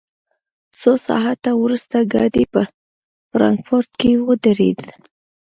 څو ساعته وروسته ګاډی په فرانکفورټ کې ودرېد